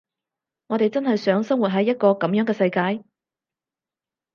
我哋真係想生活喺一個噉樣嘅世界？